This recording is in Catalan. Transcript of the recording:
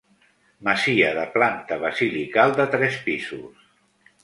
Masia de planta basilical de tres pisos.